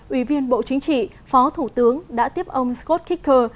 ủy viên bộ chính trị phó thủ tướng đã tiếp ông scott kicker